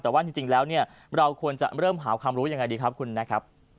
แต่ว่าจริงแล้วเนี่ยเราควรจะเริ่มหาความรู้ยังไงดีครับคุณนะครับ